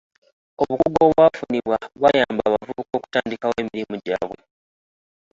Obukugu obwafunibwa bwayamba abavubuka okutandikawo emirimu gyabwe.